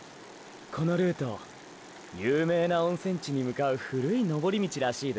このルート有名な温泉地に向かう古い登り道らしいですよ。